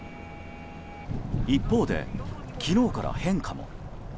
一方で、昨日から変化も。